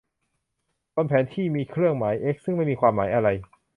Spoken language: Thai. บนแผนที่มีเครื่องหมาย เอ๊กซ์ ซึ่งไม่มีความหมายอะไร